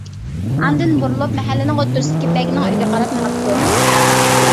ئاندىن بۇرۇلۇپ مەھەلىنىڭ ئوتتۇرىسىدىكى بەگنىڭ ئۆيىگە قاراپ مېڭىپتۇ.